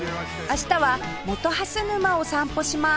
明日は本蓮沼を散歩します